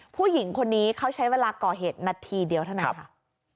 ผู้หญิงคนนี้เขาใช้เวลาก่อเหตุนาทีเดียวเท่านั้นค่ะ